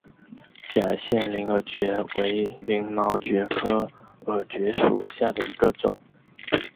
假线鳞耳蕨为鳞毛蕨科耳蕨属下的一个种。